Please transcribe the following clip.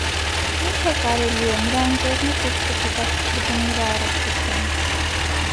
- Մի՞թե կարելի է, նրա ընկերն եք և չեք հետաքրքրվում նրա առողջությամբ: